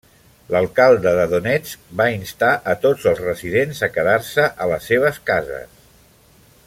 L'Alcalde de Donetsk va instar a tots els residents a quedar-se a les seves cases.